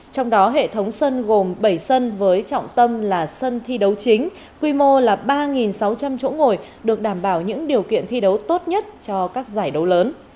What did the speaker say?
trong đó hệ thống sân gồm bảy sân với trọng tâm là sân thi đấu chính quy mô là ba sáu trăm linh chỗ ngồi được đảm bảo những điều kiện thi đấu tốt nhất cho các giải đấu lớn